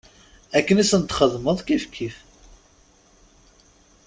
Akken i sent-txedmeḍ kifkif.